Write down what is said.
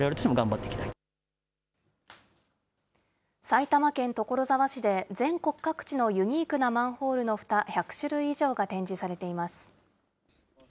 埼玉県所沢市で、全国各地のユニークなマンホールのふた、１００種類以上が展示されています。